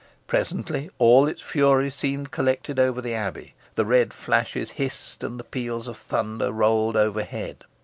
Presently, all its fury seemed collected over the Abbey. The red flashes hissed, and the peals of thunder rolled overhead.